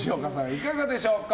いかがでしょうか？